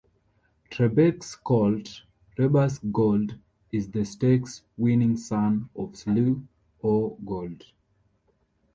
Trebek's colt, Reba's Gold, is the stakes-winning son of Slew o' Gold.